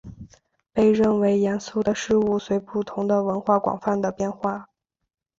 被认为严肃的事物随不同的文化广泛地变化。